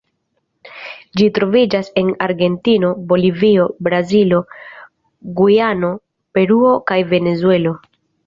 Ĝi troviĝas en Argentino, Bolivio, Brazilo, Gujano, Peruo kaj Venezuelo.